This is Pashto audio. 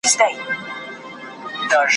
زه چي مي په تور وېښته زلمی در څخه تللی یم ,